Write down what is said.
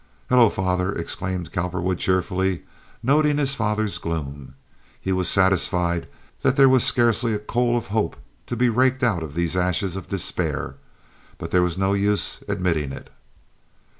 "Hello, father!" exclaimed Cowperwood, cheerfully, noting his father's gloom. He was satisfied that there was scarcely a coal of hope to be raked out of these ashes of despair, but there was no use admitting it.